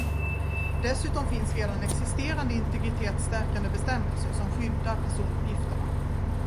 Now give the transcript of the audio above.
Dessutom finns redan existerande integritetsstärkande bestämmelser som skyddar personuppgifterna.